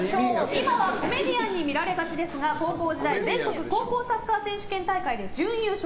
今はコメディアンに見られがちですが高校時代全国高校サッカー選手権大会で準優勝。